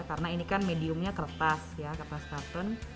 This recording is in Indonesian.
karena ini kan mediumnya kertas ya kertas kartun